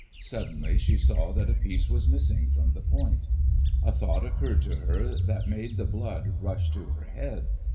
Suddenly she saw that a piece was missing from the point. A thought occurred to her that made the blood rush to her head.